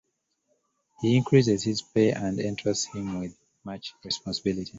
He increases his pay and entrusts him with much responsibility.